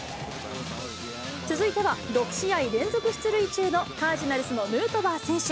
続いては、６試合連続出塁中のカージナルスのヌートバー選手。